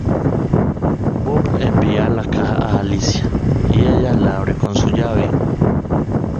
Bob envía la caja a Alicia y ella la abre con su llave.